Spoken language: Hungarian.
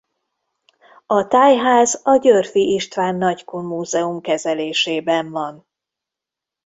A tájház a Györffy István Nagykun Múzeum kezelésében van.